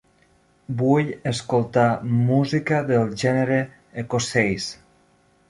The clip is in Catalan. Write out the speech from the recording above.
Vull escoltar música del gènere Ecossaise